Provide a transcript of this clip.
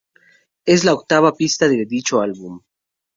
Es la octava pista de dicho álbum.